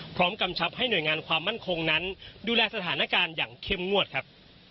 กำชับให้หน่วยงานความมั่นคงนั้นดูแลสถานการณ์อย่างเข้มงวดครับ